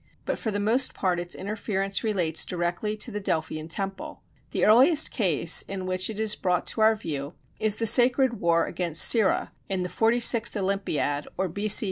But for the most part its interference relates directly to the Delphian temple. The earliest case in which it is brought to our view is the Sacred War against Cirrha, in the 46th Olympiad or B.C.